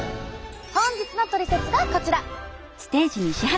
本日のトリセツがこちら。